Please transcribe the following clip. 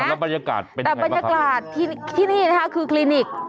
อ้าวแล้วบรรยากาศเป็นยังไงบ้างครับบรรยากาศที่นี่นะครับคือคลินิก